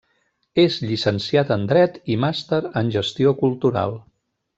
És llicenciat en dret i màster en Gestió Cultural.